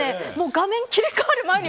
画面が切り替える前に